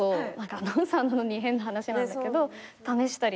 アナウンサーなのに変な話なんだけど試したりとかして。